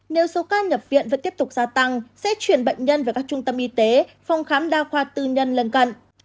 nếu số ca nhập viện vẫn tiếp tục gia tăng sẽ chuyển bệnh nhân về các trung tâm y tế phòng khám đa khoa tư nhân lân cận